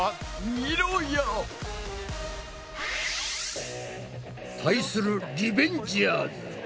みろや！対するリベンジャーズ。